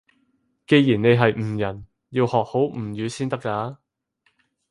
既然你係吳人，要學好吳語先得㗎